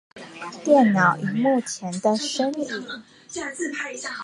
電腦螢幕前的身影